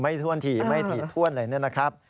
ไม่ท่วนถี่ไม่ถี่ท่วนอะไรนะครับ